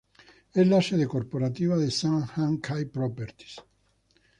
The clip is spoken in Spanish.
Es la sede corporativa de Sun Hung Kai Properties.